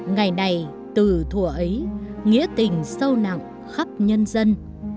ngày này từ thủa ấy nghĩa tình sâu nặng khắp nhân dân